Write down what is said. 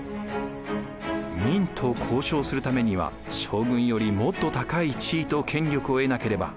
明と交渉するためには将軍よりもっと高い地位と権力を得なければ。